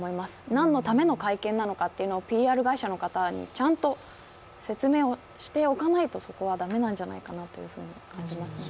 なんのための会見なのかというのをＰＲ会社の方にちゃんと説明をしておかないとそこは駄目なんじゃないかなと感じますね。